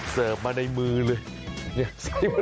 เสิร์ฟมาในมือเลย